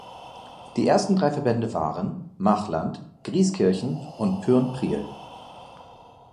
Die ersten drei Verbände waren: Machland, Grieskirchen und Pyhrn-Priel